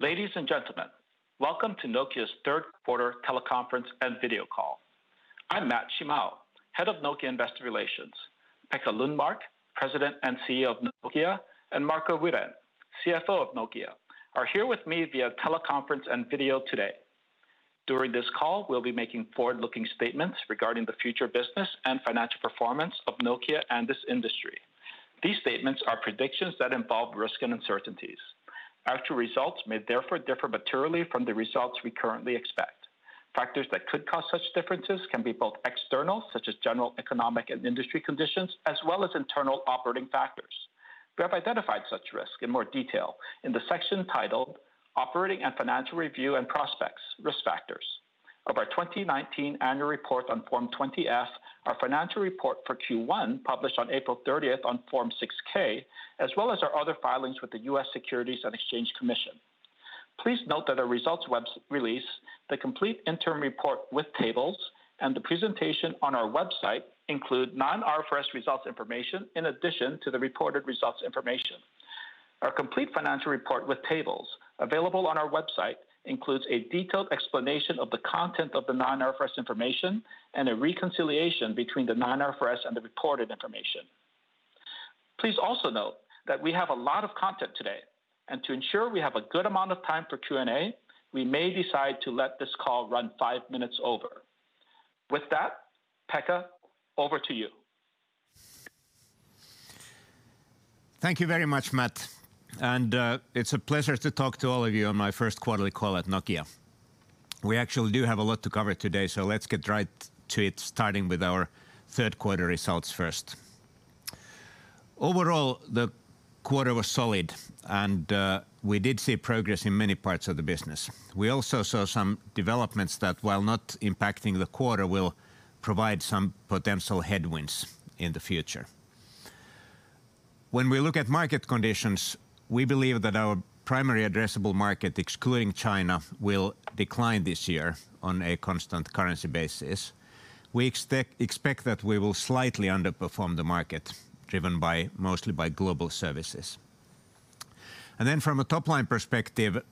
Ladies and gentlemen, welcome to Nokia's third quarter teleconference and video call. I'm Matt Shimao, Head of Nokia Investor Relations. Pekka Lundmark, President and CEO of Nokia, and Marco Wirén, CFO of Nokia, are here with me via teleconference and video today. During this call, we'll be making forward-looking statements regarding the future business and financial performance of Nokia and this industry. These statements are predictions that involve risk and uncertainties. Actual results may therefore differ materially from the results we currently expect. Factors that could cause such differences can be both external, such as general economic and industry conditions, as well as internal operating factors. We have identified such risk in more detail in the section titled "Operating and Financial Review and Prospects, Risk Factors" of our 2019 annual report on Form 20-F, our financial report for Q1, published on April 30th on Form 6-K, as well as our other filings with the U.S. Securities and Exchange Commission. Please note that our results release, the complete interim report with tables, and the presentation on our website include non-IFRS results information in addition to the reported results information. Our complete financial report with tables available on our website includes a detailed explanation of the content of the non-IFRS information and a reconciliation between the non-IFRS and the reported information. Please also note that we have a lot of content today, and to ensure we have a good amount of time for Q&A, we may decide to let this call run five minutes over. With that, Pekka, over to you. Thank you very much, Matt. It's a pleasure to talk to all of you on my first quarterly call at Nokia. We actually do have a lot to cover today, so let's get right to it, starting with our third-quarter results first. Overall, the quarter was solid, and we did see progress in many parts of the business. We also saw some developments that, while not impacting the quarter, will provide some potential headwinds in the future. When we look at market conditions, we believe that our primary addressable market, excluding China, will decline this year on a constant currency basis. We expect that we will slightly underperform the market driven mostly by Global Services. From a top-line perspective,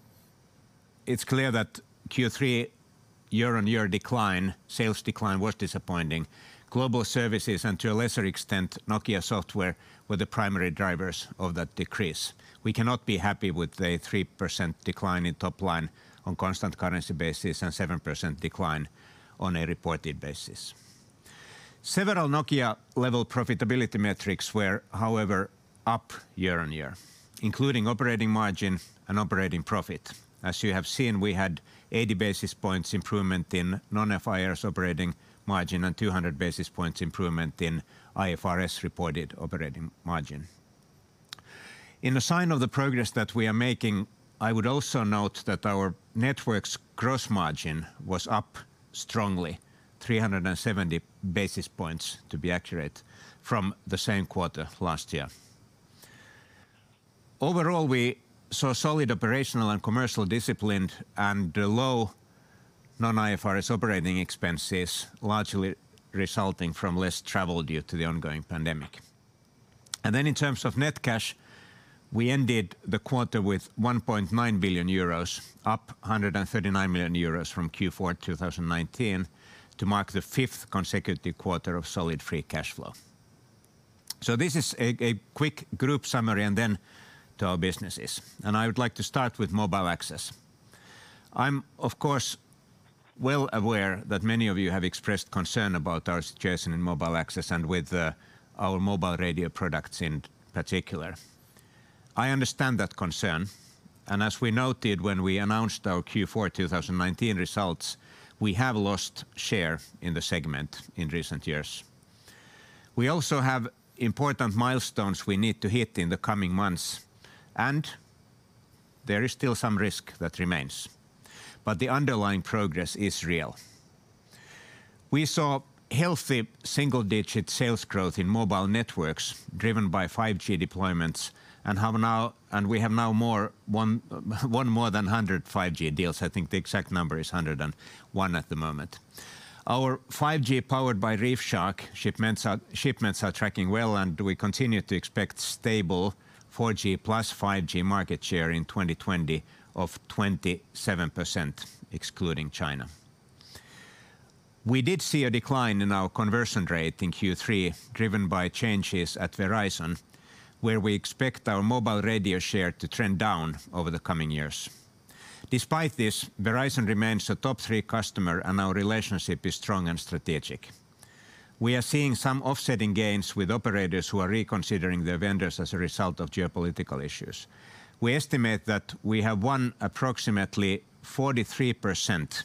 it's clear that Q3 year-on-year sales decline was disappointing. Global Services and, to a lesser extent, Nokia Software were the primary drivers of that decrease. We cannot be happy with a 3% decline in top line on a constant currency basis and 7% decline on a reported basis. Several Nokia-level profitability metrics were, however, up year-on-year, including operating margin and operating profit. As you have seen, we had an 80 basis points improvement in non-IFRS operating margin and 200 basis points improvement in IFRS-reported operating margin. In a sign of the progress that we are making, I would also note that our networks' gross margin was up strongly 370 basis points, to be accurate, from the same quarter last year. Overall, we saw solid operational and commercial discipline and low non-IFRS operating expenses, largely resulting from less travel due to the ongoing pandemic. Then in terms of net cash, we ended the quarter with €1.9 billion, up from €139 million from Q4 2019 to mark the fifth consecutive quarter of solid free cash flow. This is a quick group summary and then to our businesses, and I would like to start with Mobile Access. I'm, of course, well aware that many of you have expressed concern about our situation in Mobile Access and with our mobile radio products in particular. I understand that concern, and as we noted when we announced our Q4 2019 results, we have lost share in the segment in recent years. We also have important milestones we need to hit in the coming months, and there is still some risk that remains, but the underlying progress is real. We saw healthy single-digit sales growth in Mobile Networks driven by 5G deployments and we have now more than 100 5G deals. I think the exact number is 101 at the moment. Our 5G powered by ReefShark shipments are tracking well. We continue to expect stable 4G plus 5G market share in 2020 of 27%, excluding China. We did see a decline in our conversion rate in Q3, driven by changes at Verizon, where we expect our mobile radio share to trend down over the coming years. Despite this, Verizon remains a top-three customer, and our relationship is strong and strategic. We are seeing some offsetting gains with operators who are reconsidering their vendors as a result of geopolitical issues. We estimate that we have won approximately 43%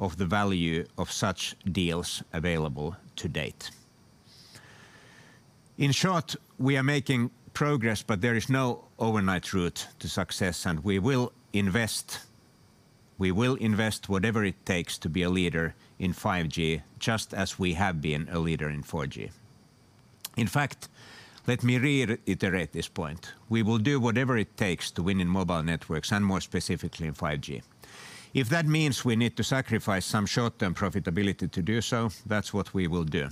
of the value of such deals available to date. In short, we are making progress, but there is no overnight route to success, and we will invest whatever it takes to be a leader in 5G, just as we have been a leader in 4G. In fact, let me reiterate this point. We will do whatever it takes to win in Mobile Networks and more specifically in 5G. If that means we need to sacrifice some short-term profitability to do so, that's what we will do.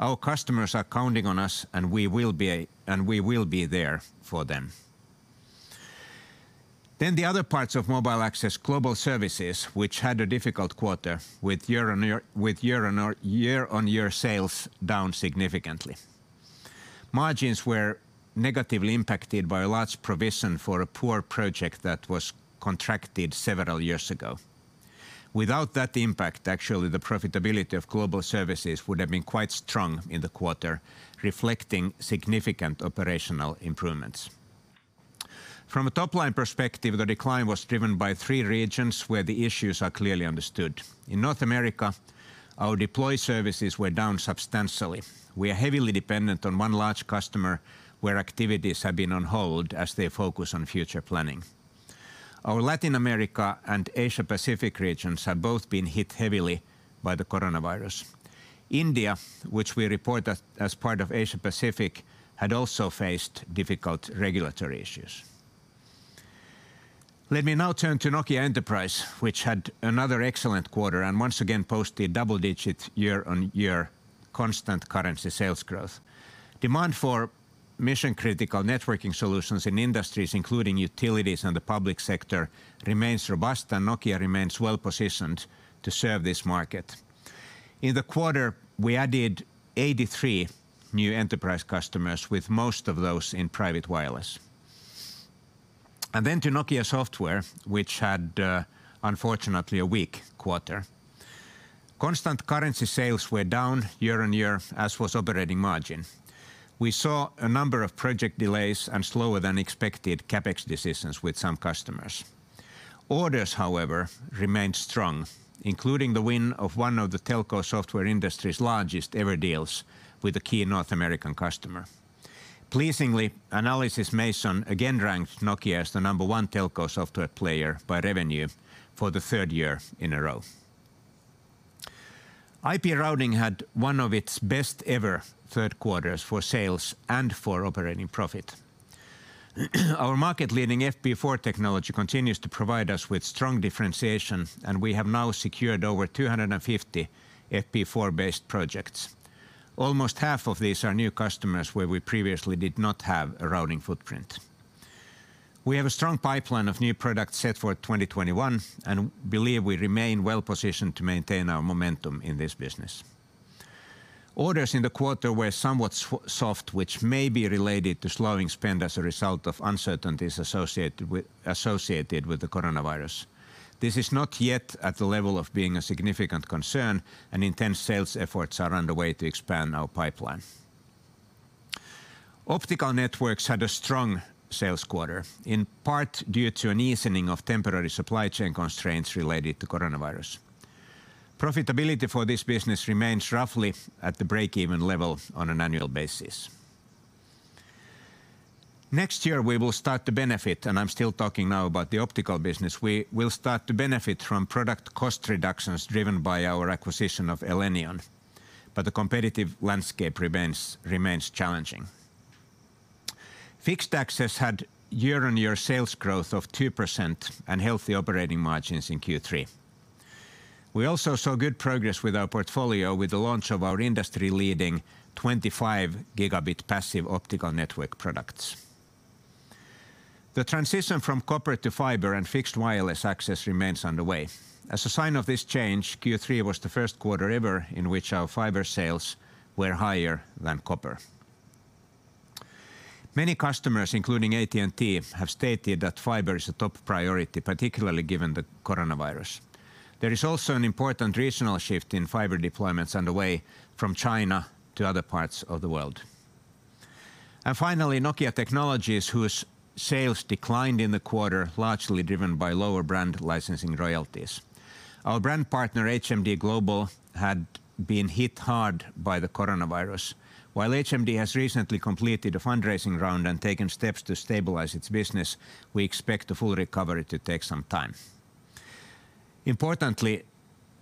Our customers are counting on us, and we will be there for them. The other parts of Mobile Access, Global Services, which had a difficult quarter with year-over-year sales down significantly. Margins were negatively impacted by a large provision for a poor project that was contracted several years ago. Without that impact, actually, the profitability of Global Services would have been quite strong in the quarter, reflecting significant operational improvements. From a top-line perspective, the decline was driven by three regions where the issues are clearly understood. In North America, our deploy services were down substantially. We are heavily dependent on one large customer where activities have been on hold as they focus on future planning. Our Latin America and Asia-Pacific regions have both been hit heavily by COVID. India, which we report as part of Asia-Pacific, had also faced difficult regulatory issues. Let me now turn to Nokia Enterprise, which had another excellent quarter and once again posted double-digit year-on-year constant currency sales growth. Demand for mission-critical networking solutions in industries including utilities and the public sector remains robust, and Nokia remains well-positioned to serve this market. In the quarter, we added 83 new enterprise customers, with most of those in private wireless. To Nokia Software, which had, unfortunately, a weak quarter. Constant currency sales were down year-on-year, as was operating margin. We saw a number of project delays and slower-than-expected CapEx decisions with some customers. Orders, however, remained strong, including the win of one of the telco software industry's largest-ever deals with a key North American customer. Pleasingly, Analysys Mason again ranked Nokia as the number one telco software player by revenue for the third year in a row. IP Routing had one of its best ever third quarters for sales and for operating profit. Our market-leading FP4 technology continues to provide us with strong differentiation, and we have now secured over 250 FP4-based projects. Almost half of these are new customers where we previously did not have a routing footprint. We have a strong pipeline of new products set for 2021 and believe we remain well-positioned to maintain our momentum in this business. Orders in the quarter were somewhat soft, which may be related to slowing spend as a result of uncertainties associated with the coronavirus. This is not yet at the level of being a significant concern, and intense sales efforts are underway to expand our pipeline. Optical Networks had a strong sales quarter, in part due to an easing of temporary supply chain constraints related to coronavirus. Profitability for this business remains roughly at the break-even level on an annual basis. Next year, we will start to benefit, and I'm still talking now about the optical business. We will start to benefit from product cost reductions driven by our acquisition of Elenion. The competitive landscape remains challenging. Fixed Access had year-on-year sales growth of 2% and healthy operating margins in Q3. We also saw good progress with our portfolio with the launch of our industry-leading 25 Gb passive optical network products. The transition from copper to fiber and fixed wireless access remains underway. As a sign of this change, Q3 was the first quarter ever in which our fiber sales were higher than copper. Many customers, including AT&T, have stated that fiber is a top priority, particularly given the coronavirus. There is also an important regional shift in fiber deployments underway from China to other parts of the world. Finally, Nokia Technologies, whose sales declined in the quarter, largely driven by lower brand licensing royalties. Our brand partner, HMD Global, had been hit hard by the coronavirus. While HMD has recently completed a fundraising round and taken steps to stabilize its business, we expect the full recovery to take some time. Importantly,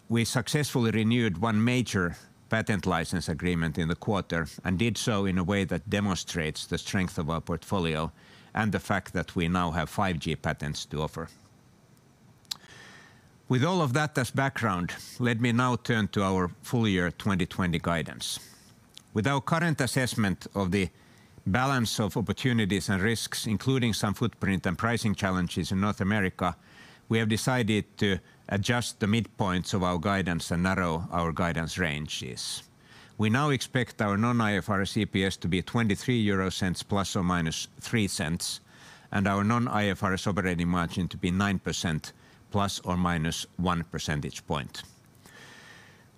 we successfully renewed one major patent license agreement in the quarter and did so in a way that demonstrates the strength of our portfolio and the fact that we now have 5G patents to offer. With all of that as background, let me now turn to our full-year 2020 guidance. With our current assessment of the balance of opportunities and risks, including some footprint and pricing challenges in North America, we have decided to adjust the midpoints of our guidance and narrow our guidance ranges. We now expect our non-IFRS EPS to be 0.23 ± 0.03, and our non-IFRS operating margin to be 9% ± one percentage point.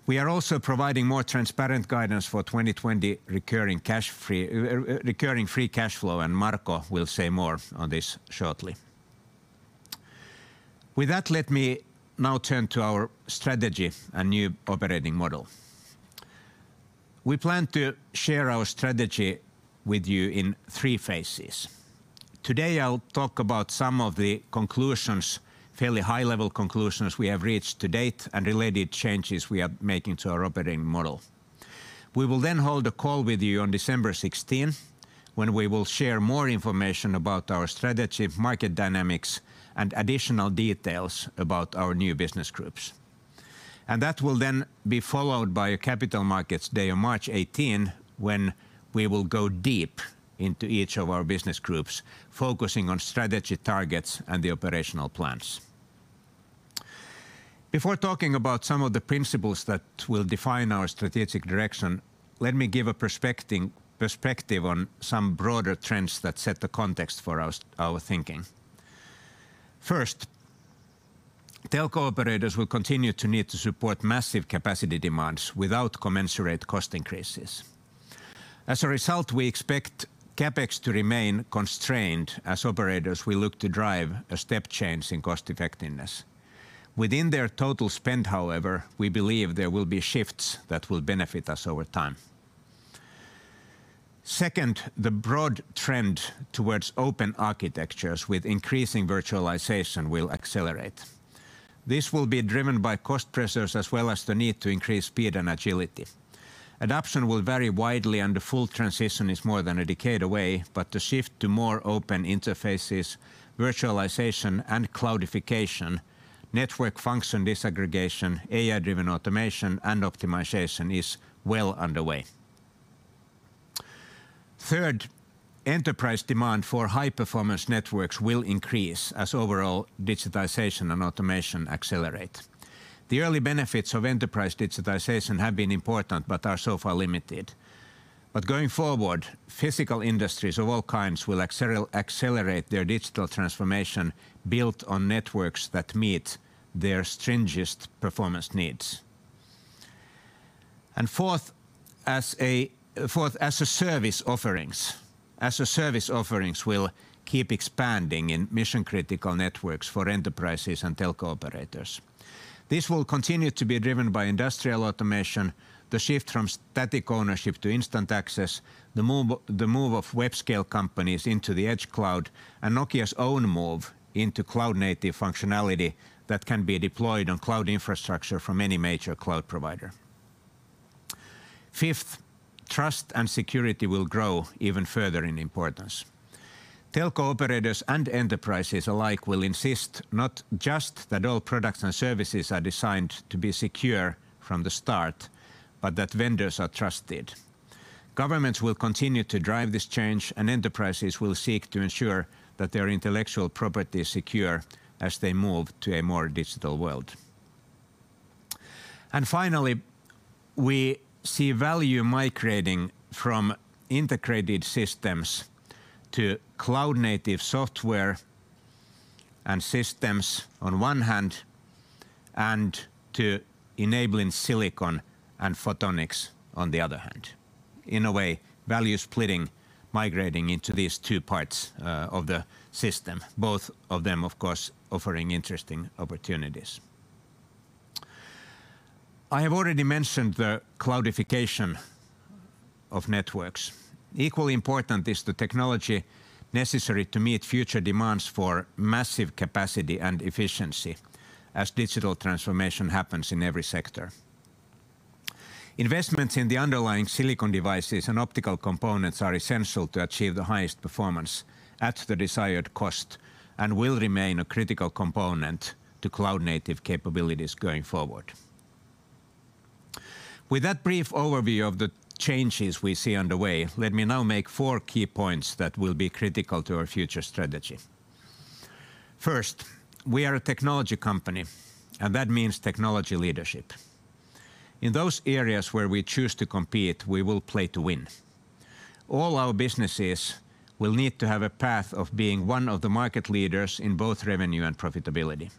We are also providing more transparent guidance for 2020 recurring free cash flow, and Marco will say more on this shortly. With that, let me now turn to our strategy and new operating model. We plan to share our strategy with you in three phases. Today, I'll talk about some of the conclusions, fairly high-level conclusions we have reached to date and related changes we are making to our operating model. We will then hold a call with you on December 16th, when we will share more information about our strategy, market dynamics, and additional details about our new business groups. That will then be followed by a Capital Markets Day on March 18, when we will go deep into each of our business groups, focusing on strategy targets and the operational plans. Before talking about some of the principles that will define our strategic direction, let me give a perspective on some broader trends that set the context for our thinking. First, telco operators will continue to need to support massive capacity demands without commensurate cost increases. As a result, we expect CapEx to remain constrained as operators will look to drive a step change in cost-effectiveness. Within their total spend, however, we believe there will be shifts that will benefit us over time. Second, the broad trend towards open architectures with increasing virtualization will accelerate. This will be driven by cost pressures as well as the need to increase speed and agility. Adoption will vary widely, and the full transition is more than a decade away, but the shift to more open interfaces, virtualization and cloudification, network function disaggregation, AI-driven automation, and optimization is well underway. Third, enterprise demand for high-performance networks will increase as overall digitization and automation accelerate. The early benefits of enterprise digitization have been important but are so far limited. Going forward, physical industries of all kinds will accelerate their digital transformation built on networks that meet their stringent performance needs. Fourth, as-a-service offerings will keep expanding in mission-critical networks for enterprises and telco operators. This will continue to be driven by industrial automation, the shift from static ownership to instant access, the move of web-scale companies into the edge cloud, and Nokia's own move into cloud-native functionality that can be deployed on cloud infrastructure from any major cloud provider. Fifth, trust and security will grow even further in importance. Telco operators and enterprises alike will insist not just that all products and services are designed to be secure from the start, but that vendors are trusted. Governments will continue to drive this change, and enterprises will seek to ensure that their intellectual property is secure as they move to a more digital world. Finally, we see value migrating from integrated systems to cloud-native software and systems on one hand, and to enabling silicon and photonics on the other hand. In a way, value splitting migrating into these two parts of the system, both of them, of course, offering interesting opportunities. I have already mentioned the cloudification of networks. Equally important is the technology necessary to meet future demands for massive capacity and efficiency as digital transformation happens in every sector. Investments in the underlying silicon devices and optical components are essential to achieve the highest performance at the desired cost and will remain a critical component to cloud-native capabilities going forward. With that brief overview of the changes we see underway, let me now make four key points that will be critical to our future strategy. First, we are a technology company, and that means technology leadership. In those areas where we choose to compete, we will play to win. All our businesses will need to have a path of being one of the market leaders in both revenue and profitability.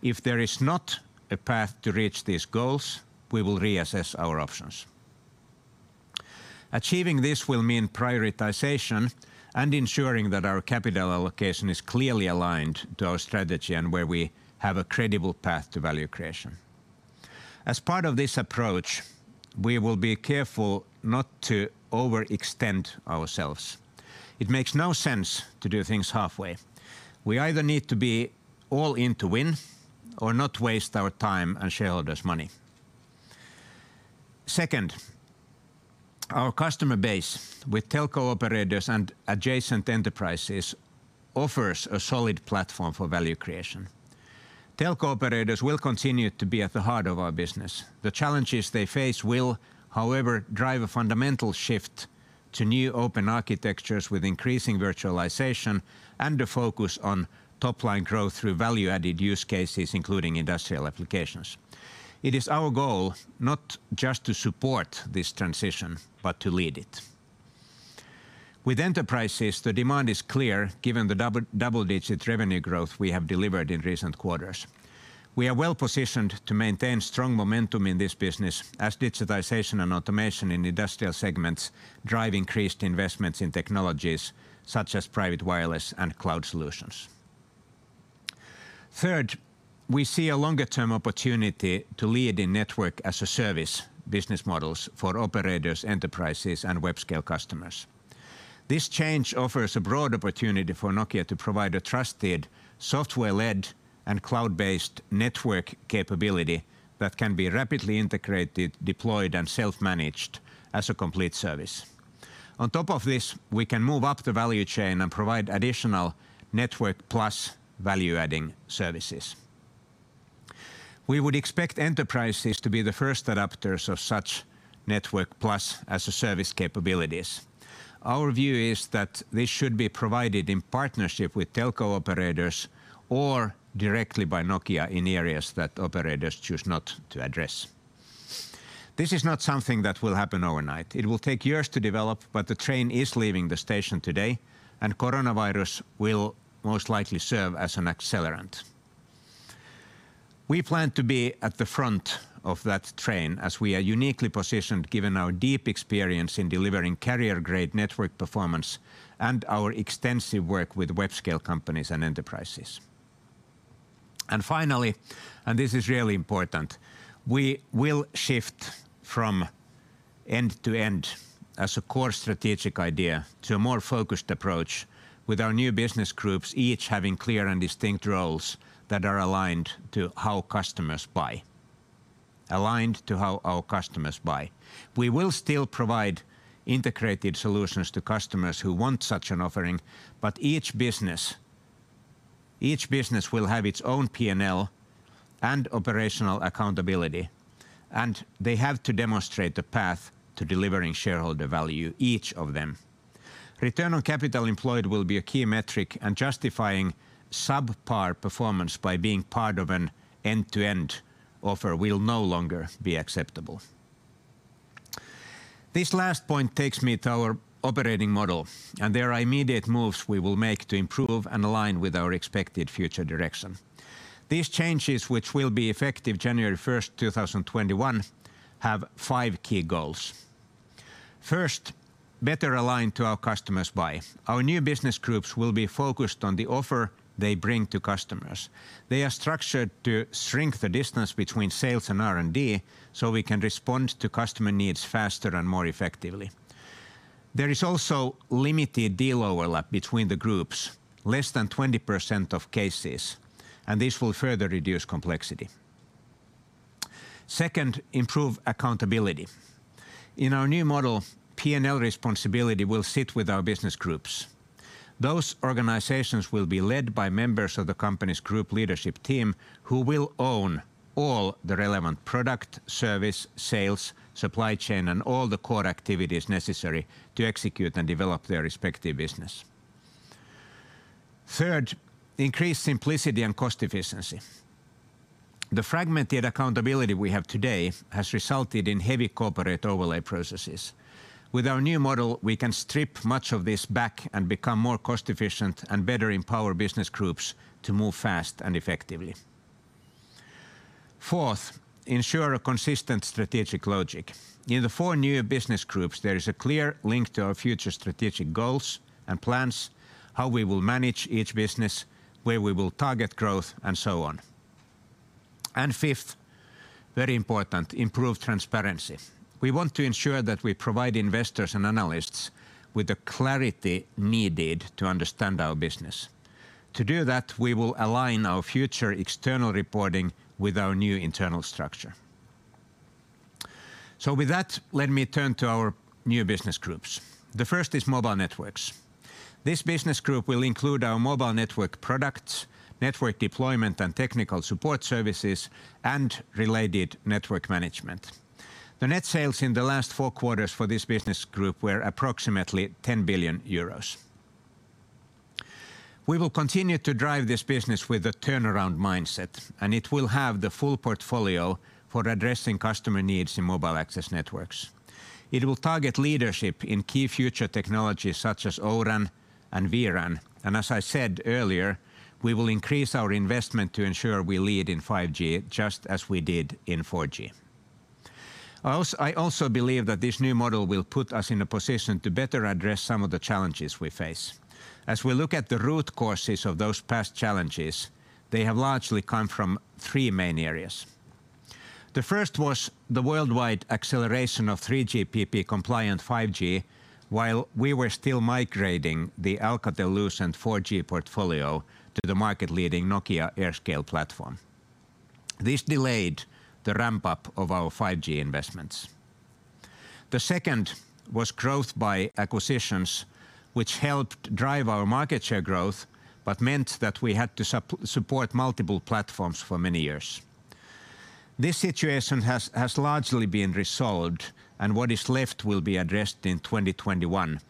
If there is not a path to reach these goals, we will reassess our options. Achieving this will mean prioritization and ensuring that our capital allocation is clearly aligned to our strategy and where we have a credible path to value creation. As part of this approach, we will be careful not to overextend ourselves. It makes no sense to do things halfway. We either need to be all in to win or not waste our time and shareholders' money. Second, our customer base with telco operators and adjacent enterprises offers a solid platform for value creation. Telco operators will continue to be at the heart of our business. The challenges they face will, however, drive a fundamental shift to new open architectures with increasing virtualization and a focus on top-line growth through value-added use cases, including industrial applications. It is our goal not just to support this transition, but to lead it. With enterprises, the demand is clear given the double-digit revenue growth we have delivered in recent quarters. We are well-positioned to maintain strong momentum in this business as digitization and automation in industrial segments drive increased investments in technologies such as private wireless and cloud solutions. Third, we see a longer-term opportunity to lead in network-as-a-service business models for operators, enterprises, and web-scale customers. This change offers a broad opportunity for Nokia to provide a trusted software-led and cloud-based network capability that can be rapidly integrated, deployed, and self-managed as a complete service. On top of this, we can move up the value chain and provide additional network plus value-adding services. will be a key metric, and justifying subpar performance by being part of an end-to-end offer will no longer be acceptable. This last point takes me to our operating model. There are immediate moves we will make to improve and align with our expected future direction. These changes, which will be effective January 1st, 2021, have five key goals. First, better align to our customers buy. Our new business groups will be focused on the offer they bring to customers. They are structured to shrink the distance between sales and R&D so we can respond to customer needs faster and more effectively. There is also limited deal overlap between the groups, less than 20% of cases. This will further reduce complexity. Second, improve accountability. In our new model, P&L responsibility will sit with our business groups. Those organizations will be led by members of the company's group leadership team who will own all the relevant product, service, sales, supply chain, and all the core activities necessary to execute and develop their respective business. Third, increase simplicity and cost efficiency. The fragmented accountability we have today has resulted in heavy corporate overlay processes. With our new model, we can strip much of this back and become more cost-efficient and better empower business groups to move fast and effectively. Fourth, ensure a consistent strategic logic. In the four new business groups, there is a clear link to our future strategic goals and plans, how we will manage each business, where we will target growth, and so on. Fifth, very important, improve transparency. We want to ensure that we provide investors and analysts with the clarity needed to understand our business. With that, let me turn to our new business groups. The first is Mobile Networks. This business group will include our mobile network products, network deployment and technical support services, and related network management. The net sales in the last four quarters for this business group were approximately 10 billion euros. We will continue to drive this business with a turnaround mindset, and it will have the full portfolio for addressing customer needs in mobile access networks. It will target leadership in key future technologies such as O-RAN and V-RAN. As I said earlier, we will increase our investment to ensure we lead in 5G just as we did in 4G. I also believe that this new model will put us in a position to better address some of the challenges we face. As we look at the root causes of those past challenges, they have largely come from three main areas. The first was the worldwide acceleration of 3GPP-compliant 5G while we were still migrating the Alcatel-Lucent 4G portfolio to the market-leading Nokia AirScale platform. This delayed the ramp-up of our 5G investments. The second was growth by acquisitions, which helped drive our market share growth but meant that we had to support multiple platforms for many years. This situation has largely been resolved, and what is left will be addressed in 2021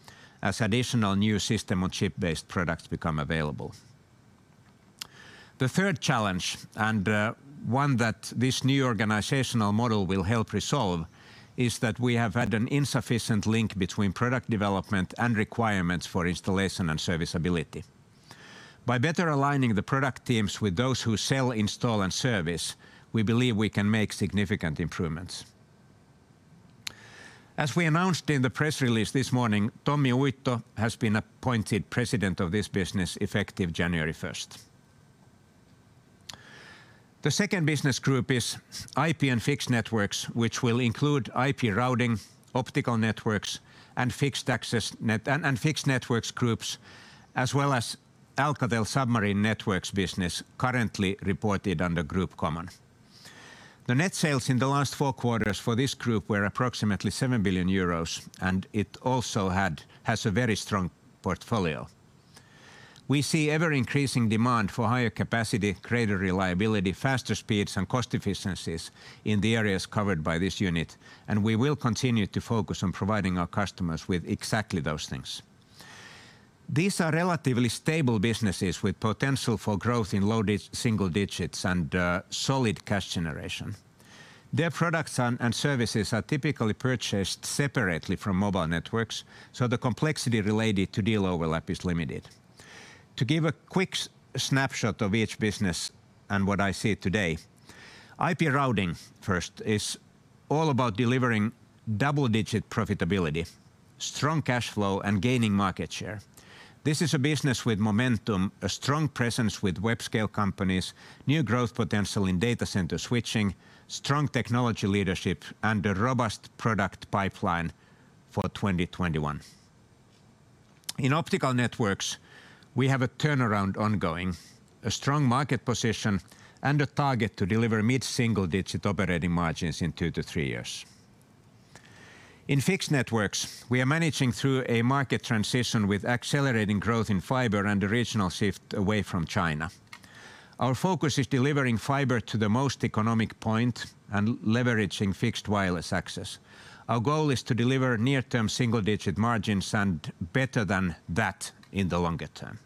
as additional new system on chip-based products become available. The third challenge, and one that this new organizational model will help resolve, is that we have had an insufficient link between product development and requirements for installation and serviceability. By better aligning the product teams with those who sell, install, and service, we believe we can make significant improvements. As we announced in the press release this morning, Tommi Uitto has been appointed President of this business effective January 1st. The second business group is IP and Fixed Networks, which will include IP Routing, Optical Networks, and Fixed Networks groups, as well as Alcatel Submarine Networks business currently reported under Group Common. The net sales in the last four quarters for this group were approximately 7 billion euros. It also has a very strong portfolio. We see ever-increasing demand for higher capacity, greater reliability, faster speeds, and cost efficiencies in the areas covered by this unit. We will continue to focus on providing our customers with exactly those things. These are relatively stable businesses with potential for growth in low single digits and solid cash generation. Their products and services are typically purchased separately from mobile networks, so the complexity related to deal overlap is limited. To give a quick snapshot of each business and what I see today, IP Routing, first, is all about delivering double-digit profitability, strong cash flow, and gaining market share. This is a business with momentum, a strong presence with web-scale companies, new growth potential in data center switching, strong technology leadership, and a robust product pipeline for 2021. In Optical Networks, we have a turnaround ongoing, a strong market position, and a target to deliver mid-single-digit operating margins in two to three years. In Fixed Networks, we are managing through a market transition with accelerating growth in fiber and a regional shift away from China. Our focus is delivering fiber to the most economic point and leveraging fixed wireless access. Our goal is to deliver near-term single-digit margins and better than that in the longer term.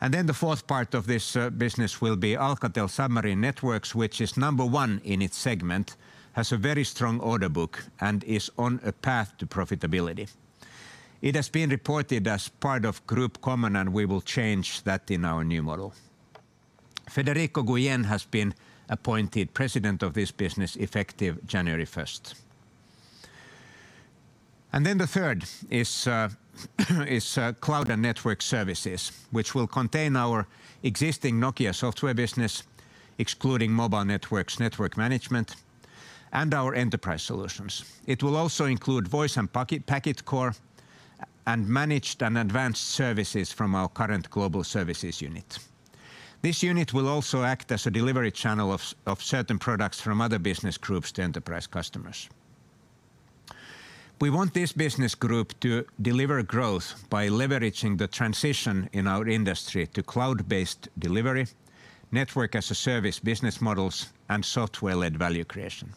The fourth part of this business will be Alcatel Submarine Networks, which is number one in its segment, has a very strong order book, and is on a path to profitability. It has been reported as part of Group Common, and we will change that in our new model. Federico Guillén has been appointed president of this business effective January 1st. The third is Cloud and Network Services, which will contain our existing Nokia Software business, excluding Mobile Networks, Network Management, and our enterprise solutions. It will also include voice and packet core and managed and advanced services from our current Global Services unit. This unit will also act as a delivery channel of certain products from other business groups to enterprise customers. We want this business group to deliver growth by leveraging the transition in our industry to cloud-based delivery, network-as-a-service business models, and software-led value creation.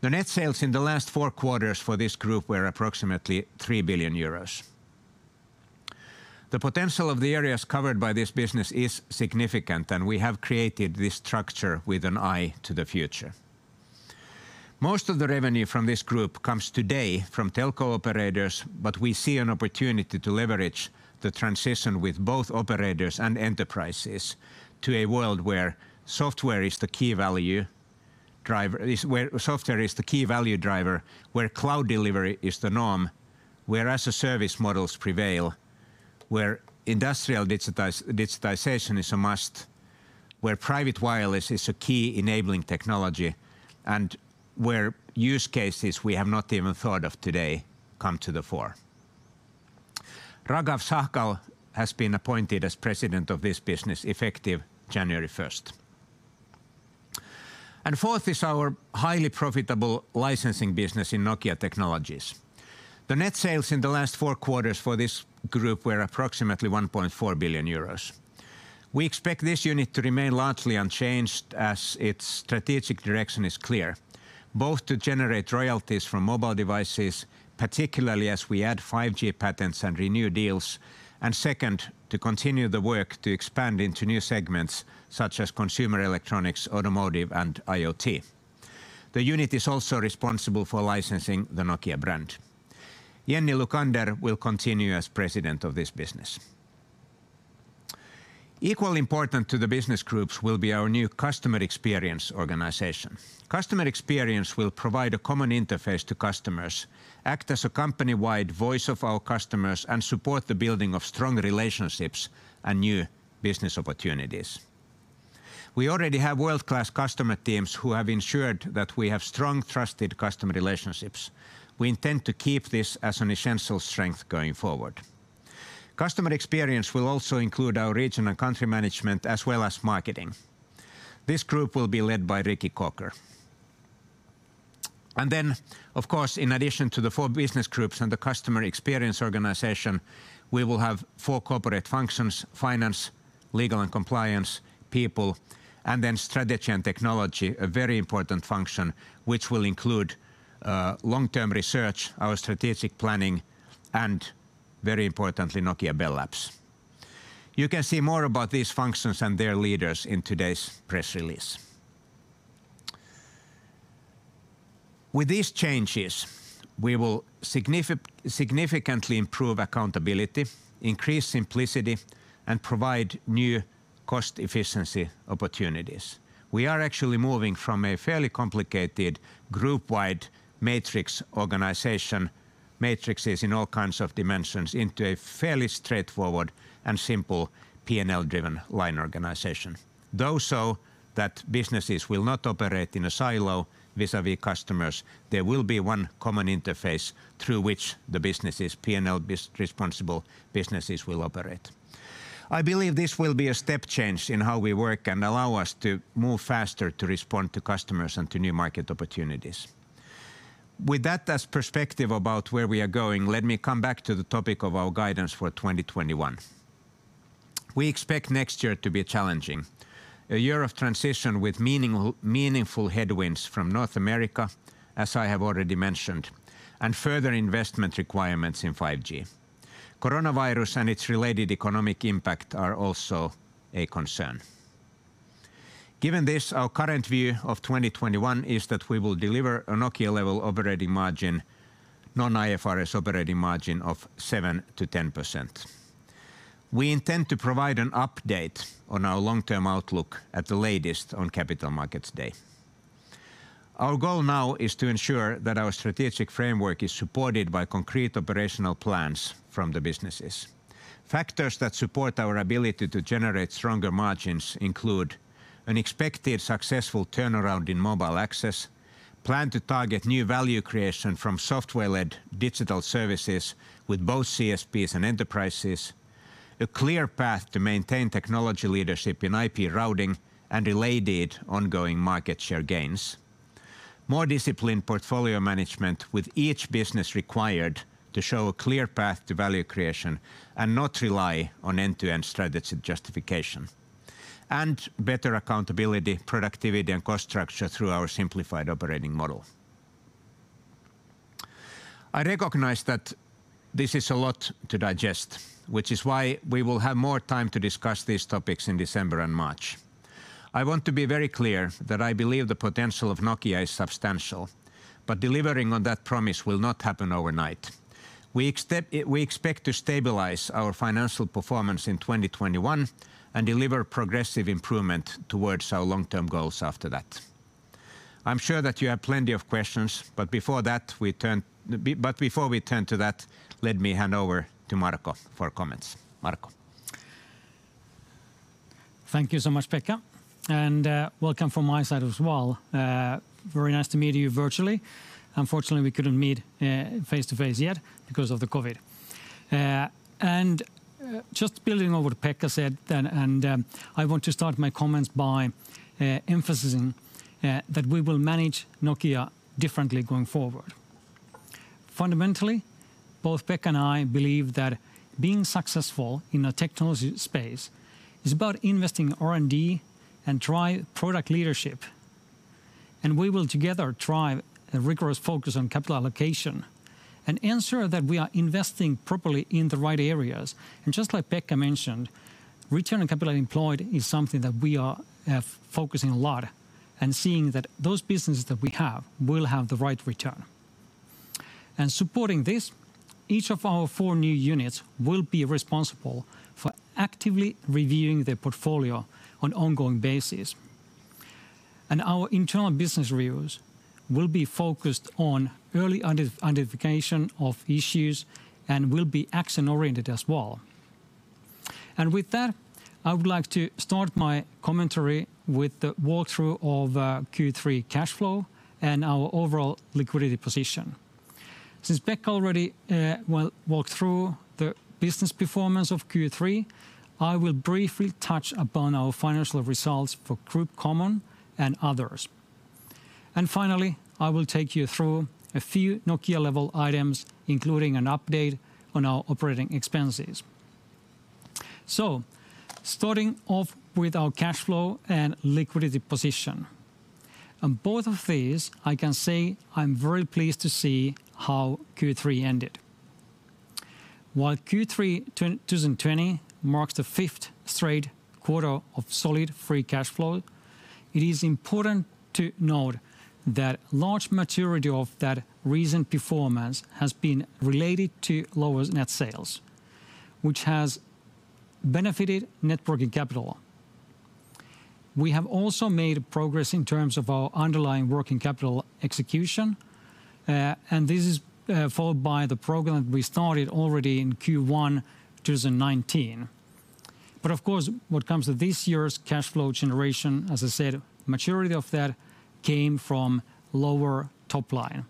The net sales in the last four quarters for this group were approximately 3 billion euros. The potential of the areas covered by this business is significant. We have created this structure with an eye to the future. Most of the revenue from this group comes today from telco operators. We see an opportunity to leverage the transition with both operators and enterprises to a world where software is the key value driver, where cloud delivery is the norm, where as-a-service models prevail, where industrial digitization is a must, where private wireless is a key enabling technology, and where use cases we have not even thought of today come to the fore. Raghav Sahgal has been appointed as President of this business effective January 1st. Fourth is our highly profitable licensing business in Nokia Technologies. The net sales in the last four quarters for this group were approximately 1.4 billion euros. We expect this unit to remain largely unchanged as its strategic direction is clear, both to generate royalties from mobile devices, particularly as we add 5G patents and renew deals, and second, to continue the work to expand into new segments such as consumer electronics, automotive, and IoT. The unit is also responsible for licensing the Nokia brand. Jenni Lukander will continue as President of this business. Equally important to the business groups will be our new customer experience organization. Customer experience will provide a common interface to customers, act as a company-wide voice of our customers, and support the building of strong relationships and new business opportunities. We already have world-class customer teams who have ensured that we have strong, trusted customer relationships. We intend to keep this as an essential strength going forward. Customer experience will also include our regional country management as well as marketing. This group will be led by Ricky Corker. Of course, in addition to the four business groups and the customer experience organization, we will have four corporate functions, finance, legal and compliance, people, and then strategy and technology, a very important function, which will include long-term research, our strategic planning, and very importantly, Nokia Bell Labs. You can see more about these functions and their leaders in today's press release. With these changes, we will significantly improve accountability, increase simplicity, and provide new cost-efficiency opportunities. We are actually moving from a fairly complicated group-wide matrix organization, matrices in all kinds of dimensions, into a fairly straightforward and simple P&L-driven line organization. So that businesses will not operate in a silo vis-à-vis customers, there will be one common interface through which the business' P&L responsible businesses will operate. I believe this will be a step change in how we work and allow us to move faster to respond to customers and to new market opportunities. With that as perspective about where we are going, let me come back to the topic of our guidance for 2021. We expect next year to be challenging. A year of transition with meaningful headwinds from North America, as I have already mentioned, and further investment requirements in 5G. Coronavirus and its related economic impact are also a concern. Given this, our current view of 2021 is that we will deliver a Nokia-level operating margin, non-IFRS operating margin of 7%-10%. We intend to provide an update on our long-term outlook at the latest on Capital Markets Day. Our goal now is to ensure that our strategic framework is supported by concrete operational plans from the businesses. Factors that support our ability to generate stronger margins include an expected successful turnaround in Mobile Access, plan to target new value creation from software-led digital services with both CSPs and enterprises, a clear path to maintain technology leadership in IP Routing and related ongoing market share gains. More disciplined portfolio management with each business required to show a clear path to value creation and not rely on end-to-end strategy justification. Better accountability, productivity, and cost structure through our simplified operating model. I recognize that this is a lot to digest, which is why we will have more time to discuss these topics in December and March. I want to be very clear that I believe the potential of Nokia is substantial, but delivering on that promise will not happen overnight. We expect to stabilize our financial performance in 2021 and deliver progressive improvement towards our long-term goals after that. I'm sure that you have plenty of questions, but before we turn to that, let me hand over to Marco for comments. Marco. Thank you so much, Pekka, and welcome from my side as well. Very nice to meet you virtually. Unfortunately, I couldn't meet face-to-face yet because of the COVID. Just building on what Pekka said then, I want to start my comments by emphasizing that we will manage Nokia differently going forward. Fundamentally, both Pekka and I believe that being successful in a technology space is about investing R&D and drive product leadership. We will together drive a rigorous focus on capital allocation and ensure that we are investing properly in the right areas. Just like Pekka mentioned, return on capital employed is something that we are focusing a lot and seeing that those businesses that we have will have the right return. Supporting this, each of our four new units will be responsible for actively reviewing their portfolio on ongoing basis. Our internal business reviews will be focused on early identification of issues and will be action-oriented as well. With that, I would like to start my commentary with the walkthrough of Q3 cash flow and our overall liquidity position. Since Pekka already walked through the business performance of Q3, I will briefly touch upon our financial results for Group Common and Other. Finally, I will take you through a few Nokia-level items, including an update on our operating expenses. Starting off with our cash flow and liquidity position. On both of these, I can say I'm very pleased to see how Q3 ended. While Q3 2020 marks the fifth straight quarter of solid free cash flow, it is important to note that large maturity of that recent performance has been related to lower net sales, which has benefited net working capital. We have also made progress in terms of our underlying working capital execution, and this is followed by the program we started already in Q1 2019. Of course, what comes with this year's cash flow generation, as I said, maturity of that came from lower top line.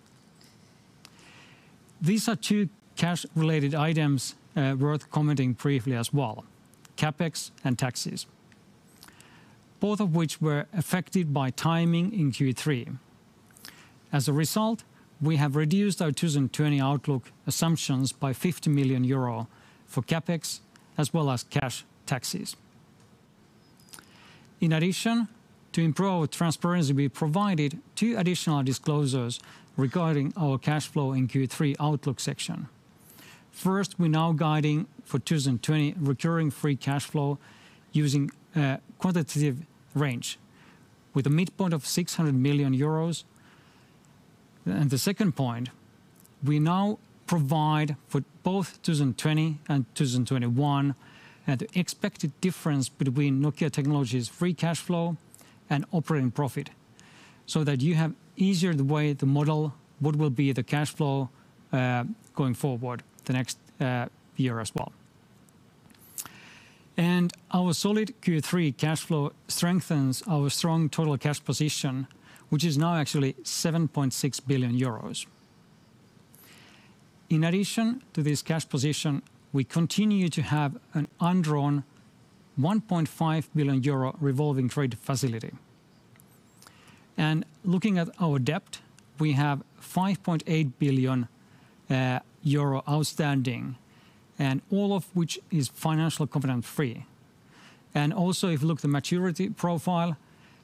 These are two cash-related items worth commenting briefly as well, CapEx and taxes, both of which were affected by timing in Q3. As a result, we have reduced our 2020 outlook assumptions by 50 million euro for CapEx as well as cash taxes. In addition, to improve transparency, we provided two additional disclosures regarding our cash flow in Q3 outlook section. First, we're now guiding for 2020 recurring free cash flow using a quantitative range with a midpoint of 600 million euros. The second point, we now provide for both 2020 and 2021, the expected difference between Nokia Technologies' free cash flow and operating profit, so that you have easier way to model what will be the cash flow going forward the next year as well. Our solid Q3 cash flow strengthens our strong total cash position, which is now actually 7.6 billion euros. In addition to this cash position, we continue to have an undrawn 1.5 billion euro revolving trade facility. Looking at our debt, we have 5.8 billion euro outstanding, all of which is financial covenant-free. Also, if you look at the maturity profile,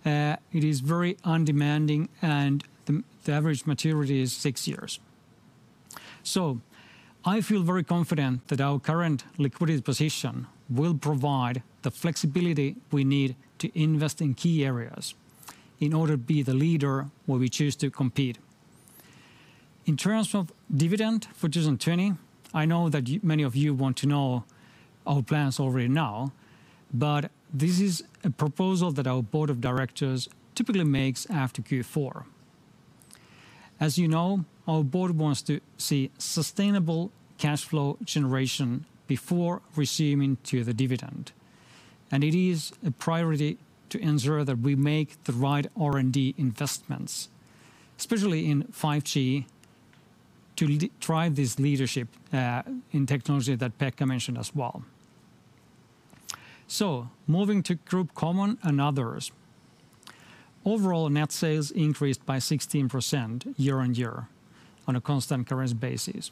it is very undemanding, and the average maturity is six years. I feel very confident that our current liquidity position will provide the flexibility we need to invest in key areas in order to be the leader where we choose to compete. In terms of dividend for 2020, I know that many of you want to know our plans already now, but this is a proposal that our board of directors typically makes after Q4. As you know, our board wants to see sustainable cash flow generation before receiving to the dividend. It is a priority to ensure that we make the right R&D investments, especially in 5G, to drive this leadership in technology that Pekka mentioned as well. Moving to Group Common and Others. Overall net sales increased by 16% year-on-year on a constant currency basis.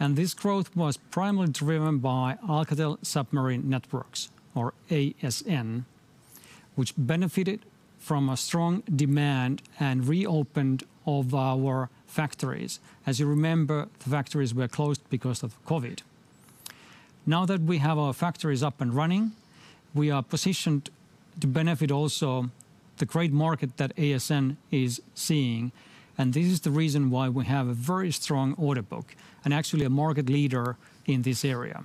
This growth was primarily driven by Alcatel Submarine Networks, or ASN, which benefited from a strong demand and reopened all of our factories. As you remember, the factories were closed because of COVID. Now that we have our factories up and running, we are positioned to benefit also the great market that ASN is seeing, and this is the reason why we have a very strong order book and actually a market leader in this area.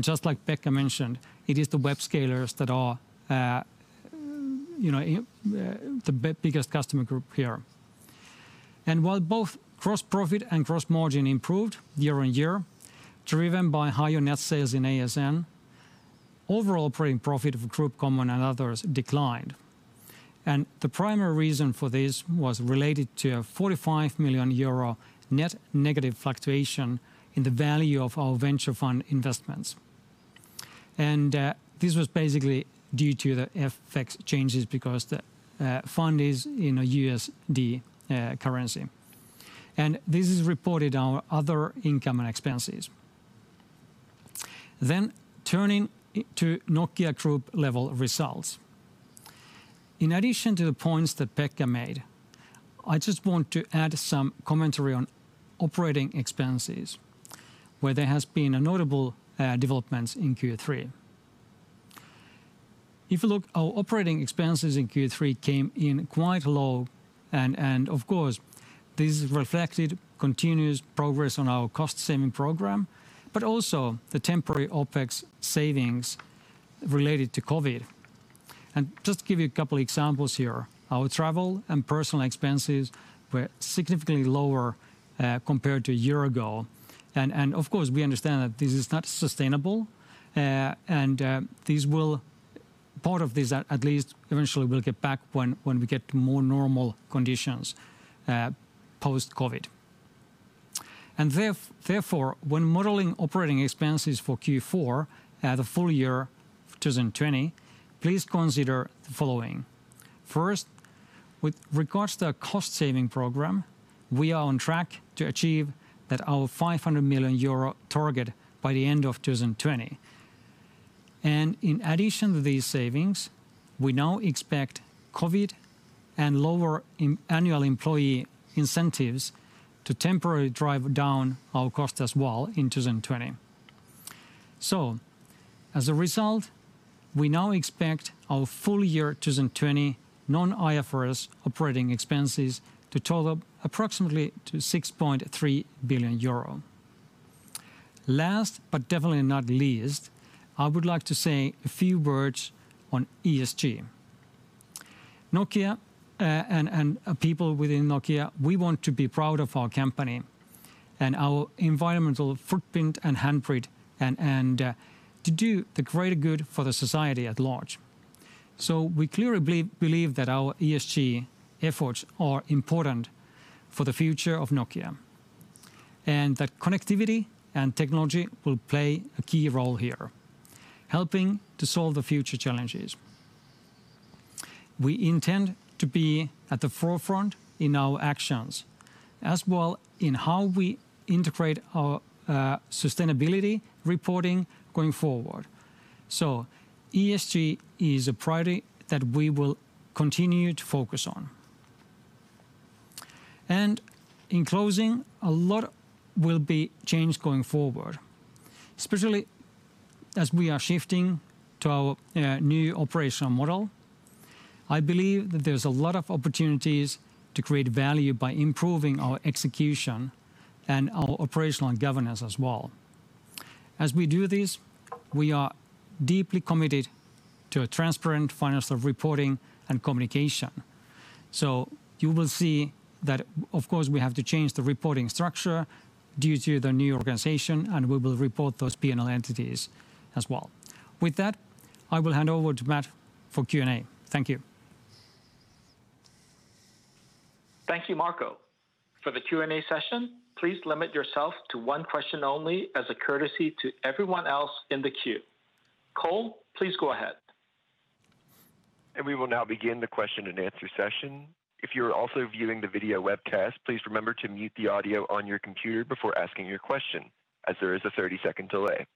Just like Pekka mentioned, it is the web scalers that are the biggest customer group here. While both gross profit and gross margin improved year-on-year, driven by higher net sales in ASN, overall operating profit of Group Common and Others declined. The primary reason for this was related to a 45 million euro net negative fluctuation in the value of our venture fund investments. This was basically due to the FX changes because the fund is in a USD currency. This is reported on our other income and expenses. Turning to Nokia Group level results. In addition to the points that Pekka made, I just want to add some commentary on operating expenses, where there has been notable developments in Q3. If you look, our operating expenses in Q3 came in quite low, of course, this reflected continuous progress on our cost-saving program, but also the temporary OPEX savings related to COVID. Just to give you a couple examples here, our travel and personal expenses were significantly lower compared to a year ago. Of course, we understand that this is not sustainable and part of this at least eventually will get back when we get to more normal conditions post-COVID. Therefore, when modeling operating expenses for Q4 at the full year 2020, please consider the following. First, with regards to our cost-saving program, we are on track to achieve our 500 million euro target by the end of 2020. In addition to these savings, we now expect COVID and lower annual employee incentives to temporarily drive down our cost as well in 2020. As a result, we now expect our full year 2020 non-IFRS operating expenses to total approximately 6.3 billion euro. Last, but definitely not least, I would like to say a few words on ESG. Nokia and people within Nokia, we want to be proud of our company and our environmental footprint and handprint and to do the greater good for the society at large. We clearly believe that our ESG efforts are important for the future of Nokia. That connectivity and technology will play a key role here, helping to solve the future challenges. We intend to be at the forefront in our actions, as well in how we integrate our sustainability reporting going forward. ESG is a priority that we will continue to focus on. In closing, a lot will be changed going forward, especially as we are shifting to our new operational model. I believe that there's a lot of opportunities to create value by improving our execution and our operational governance as well. As we do this, we are deeply committed to a transparent financial reporting and communication. You will see that, of course, we have to change the reporting structure due to the new organization, and we will report those P&L entities as well. With that, I will hand over to Matt for Q&A. Thank you. Thank you, Marco. For the Q&A session, please limit yourself to one question only as a courtesy to everyone else in the queue. Cole, please go ahead. We will now begin the question and answer session. If you're also viewing the video webcast, please remember to mute the audio on your computer before asking your question, as there is a 30-second delay.